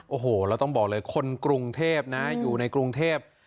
โอ้โหแล้วต้องบอกเลยคนกรุงเทพนะอยู่ในกรุงเทพ